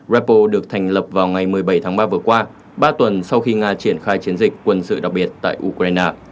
rapo được thành lập vào ngày một mươi bảy tháng ba vừa qua ba tuần sau khi nga triển khai chiến dịch quân sự đặc biệt tại ukraine